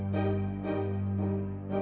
dari tempat kita